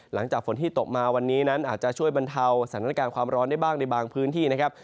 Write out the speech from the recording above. หลังจากฝนที่ตกมาวันนี้นั้นอาจจะช่วยบรรเทาสถานการณ์ความร้อนได้บ้างในบางพื้นที่นะครับ